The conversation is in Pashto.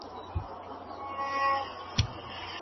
که کار نیمګړی پریښودل سي نو موخه نه ترلاسه کیږي.